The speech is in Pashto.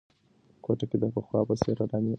کوټه کې د پخوا په څېر ارامي وه.